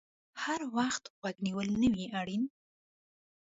هر وخت غوږ نیول نه وي اړین